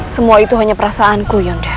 semua itu hanya perasaanku yandra